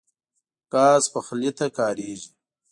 ګاز پخلی ته کارېږي.